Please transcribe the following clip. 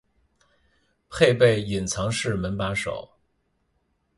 配备隐藏式门把手